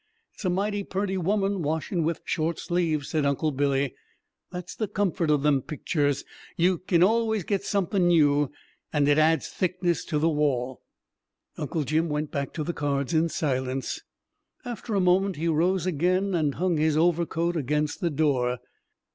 It's a mighty perty woman washin' with short sleeves," said Uncle Billy. "That's the comfort of them picters, you kin always get somethin' new, and it adds thickness to the wall." Uncle Jim went back to the cards in silence. After a moment he rose again, and hung his overcoat against the door.